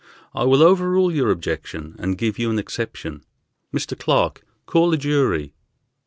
I will overrule your objection, and give you an exception. Mr. Clerk, call a jury!"